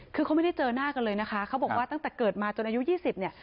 ก็เลยไม่ได้เจอหน้ากันเลยเฌรียดว่าตั้งแต่เกิดจนอายุ๒๐เนี่ย